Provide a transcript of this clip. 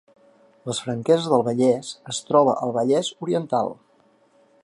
Les Franqueses del Vallès es troba al Vallès Oriental